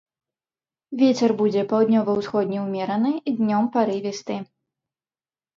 Вецер будзе паўднёва-ўсходні ўмераны, днём парывісты.